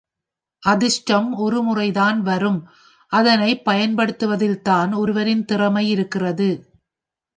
அதிர்ஷ்டம் ஒரு முறைதான் வரும் அதனைப் பயன்படுத்துவதில்தான் ஒருவரின் றிறமை இருக்கிறது.